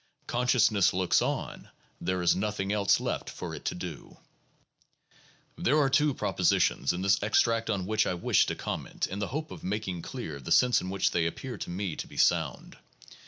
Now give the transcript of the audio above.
Consciousness looks on; there is nothing else left for it to do" (p. 429). There are two propositions in this extract on which I wish to comment in the hope of making clear the sense in which they appear to me to be sound.